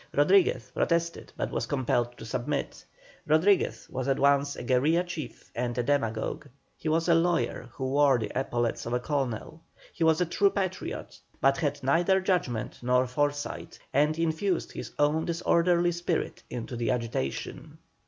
Rodriguez protested but was compelled to submit. Rodriguez was at once a guerilla chief and a demagogue; he was a lawyer who wore the epaulets of a colonel. He was a true patriot, but had neither judgment nor foresight, and infused his own disorderly spirit into the agitation.